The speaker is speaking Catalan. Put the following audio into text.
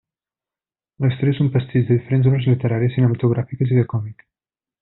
La història és un pastitx de diferents obres literàries, cinematogràfiques i de còmic.